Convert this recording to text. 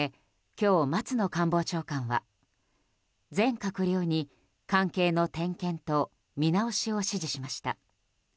今日、松野官房長官は全閣僚に関係の点検と見直しを指示しました。